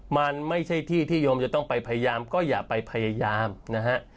มันไม่ใช่ที่ที่โยมจะต้องไปพยายามก็อย่าไปพยายามนะฮะ